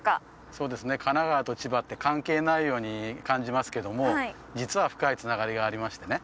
そうですね神奈川と千葉って関係ないように感じますけども実は深いつながりがありましてね